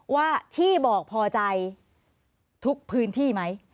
ว่าที่บอกพอใจทุกพื้นที่ไหม